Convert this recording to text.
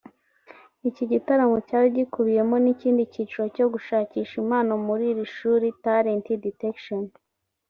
Iki gitaramo cyari gikubiyemo n’ikindi cyiciro cyo gushakisha impano muri iri shuri ‘Talent Detection’